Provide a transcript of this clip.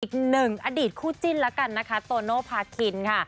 อีกหนึ่งอดีตคู่จิ้นตัวโน้ทภาคินค่ะ